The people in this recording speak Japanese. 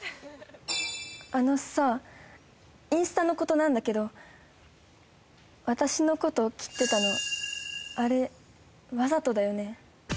あのさインスタのことなんだけど私のこと切ってたのあれわざとだよね？